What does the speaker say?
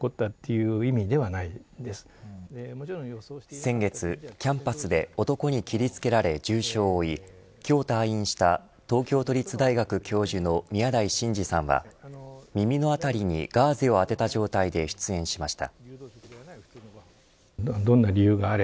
先月、キャンパスで男に切りつけられ重傷を負い今日退院した東京都立大学教授の宮台真司さんは、耳の辺りにガーゼを当てた状態で出演しました。